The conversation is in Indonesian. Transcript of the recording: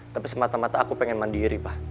tapi semata mata aku pengen mandiri pak